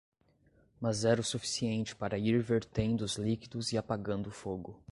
Mas era o suficiente para ir vertendo os líquidos e apagando o fogo.